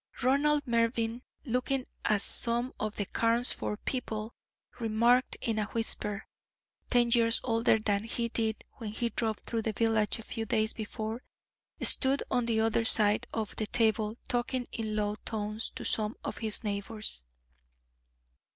Ronald Mervyn, looking, as some of the Carnesford people remarked in a whisper, ten years older than he did when he drove through the village a few days before, stood on the other side of the table talking in low tones to some of his neighbours.